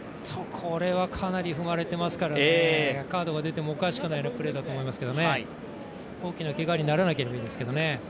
これはかなり踏まれてますので、カードが出てもおかしくないようなプレーですけどね、大きなけがにならなければいいですけどね。